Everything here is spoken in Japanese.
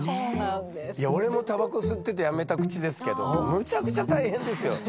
俺もタバコ吸っててやめた口ですけどむちゃくちゃ大変ですよ！